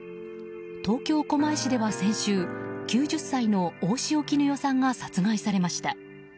東京・狛江市では先週９０歳の大塩衣與さんが殺害されました。